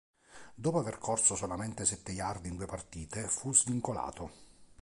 Dopo aver corso solamente sette yard in due partite fu svincolato.